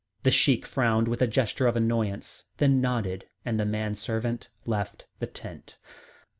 The Sheik frowned with a gesture of annoyance, then nodded, and the servant left the tent.